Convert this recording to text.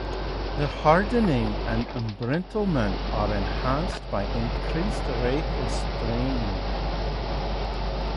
The hardening and embrittlement are enhanced by increased rate of straining.